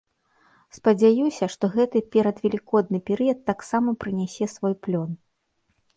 Спадзяюся, што гэты перадвелікодны перыяд таксама прынясе свой плён.